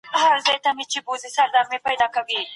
موږ بايد د سياست په اړه علمي څېړنې وکړو.